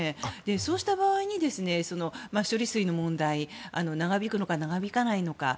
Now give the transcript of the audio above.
そうした場合に処理水の問題が長引くのか、長引かないのか。